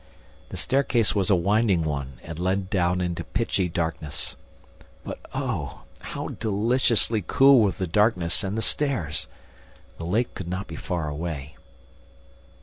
The staircase was a winding one and led down into pitchy darkness. But oh, how deliciously cool were the darkness and the stairs? The lake could not be far away.